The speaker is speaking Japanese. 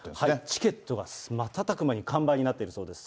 チケットが瞬く間に完売になっているそうです。